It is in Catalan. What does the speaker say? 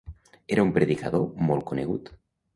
Era un predicador molt conegut.